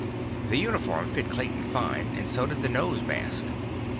The uniform fit Clayton fine, and so did the nose mask.